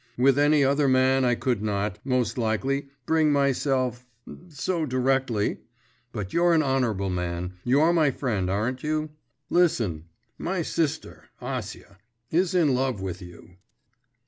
With any other man I could not, most likely, bring myself … so directly.… But you're an honourable man, you're my friend, aren't you? Listen my sister, Acia, is in love with you.